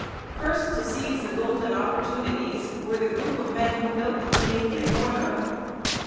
First to seize the golden opportunities were the group of men who built the Canadian Northern.